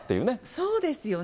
そうですよね。